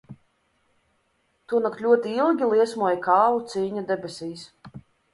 Tonakt ļoti ilgi liesmoja kāvu cīņa debesīs.